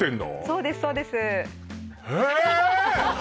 そうですそうですえええ！？